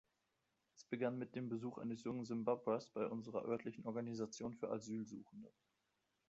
Es begann mit dem Besuch eines jungen Simbabwers bei unserer örtlichen Organisation für Asylsuchende.